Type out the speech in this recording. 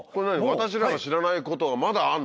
私らの知らないことがまだあんの？